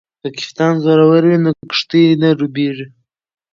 که کپتان زړور وي نو کښتۍ نه ډوبیږي.